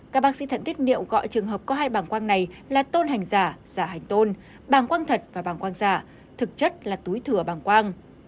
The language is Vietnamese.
các bác sĩ thận tiết niệm gọi trường hợp có hai bảng quang này là tôn hành giả giả hành tôn bảng quang thật và bảng quang giả thực chất là túi thừa bảng quang